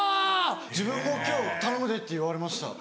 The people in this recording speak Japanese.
自分も今日「頼むで」って言われました。